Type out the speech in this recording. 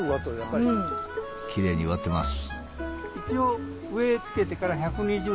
きれいに植わってます。